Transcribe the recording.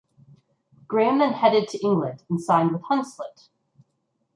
Graham then headed to England and signed with Hunslet.